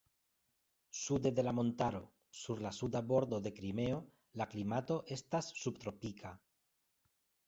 Sude de la montaro sur la Suda Bordo de Krimeo la klimato estas subtropika.